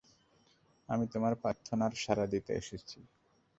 আমি তোমার প্রার্থনার সাড়া দিতে এসেছি।